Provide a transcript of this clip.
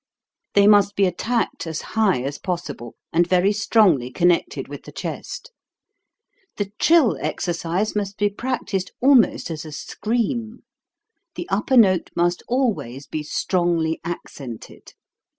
They must be attacked as high as possible, and very strongly 258 TRILL 259 connected with the chest. The trill exercise must be practised almost as a scream. The upper note must always be strongly accented.